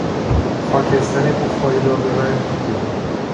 خاکستر بخاری را ببر بیرون!